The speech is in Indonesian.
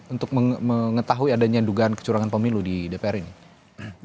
untuk mengetahui adanya dugaan kecurangan pemilu di dpr ini